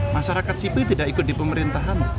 masyarakat sipil tidak ikut di pemerintahan